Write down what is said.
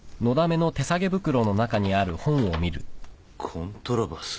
「コントラバス」